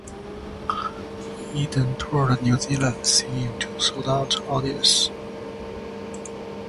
He then toured New Zealand, singing to sold-out audiences.